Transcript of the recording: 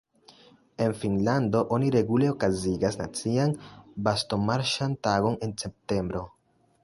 En Finnlando oni regule okazigas nacian bastonmarŝan tagon en septembro.